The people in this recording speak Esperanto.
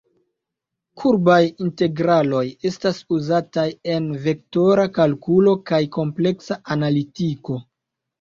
Kurbaj integraloj estas uzataj en vektora kalkulo kaj kompleksa analitiko.